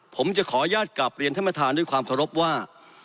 ผมจะขออนุญาตกับเรียนธรรมธานด้วยความขอรบว่า